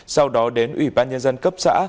sau đó đến ủy ban nhân dân cấp xã